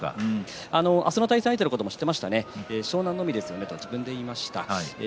明日の対戦相手のことは知っていますと湘南乃海ですよねと自分から言いました。